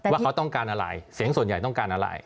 ว่าเขาต้องการอะไรเสียงส่วนใหญ่ต้องการอะไร